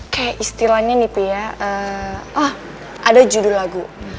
kayak istilahnya nih pi ya eh ah ada judul lagu